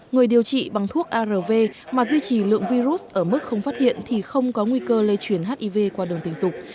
người điều trị bằng thuốc arv mà duy trì lượng virus ở mức không phát hiện thì không có nguy cơ lây chuyển hiv qua đường tình dục